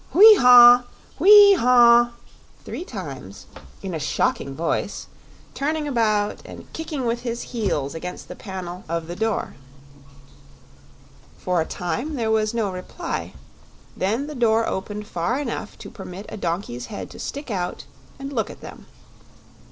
whee haw! whee haw!" three times, in a shocking voice, turning about and kicking with his heels against the panel of the door. For a time there was no reply; then the door opened far enough to permit a donkey's head to stick out and look at them.